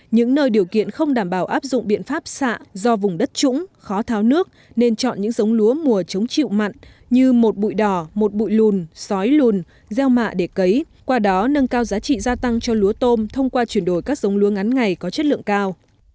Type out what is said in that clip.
những nơi điều kiện không đảm bảo áp dụng biện pháp xạ do vùng đất trũng khó tháo nước nên chọn những giống lúa mùa chống chịu mặn như một bụi đỏ một bụi lùn xói lùn gieo mạ để cấy qua đó nâng cao giá trị gia tăng cho lúa tôm thông qua chuyển đổi các giống lúa ngắn ngày có chất lượng cao